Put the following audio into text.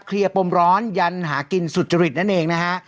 ปมร้อนยันหากินสุจริตนั่นเองนะฮะ